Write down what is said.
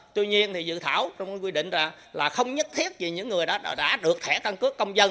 tuy nhiên thì dự thảo trong quy định là không nhất thiết vì những người đã được thẻ căn cước công dân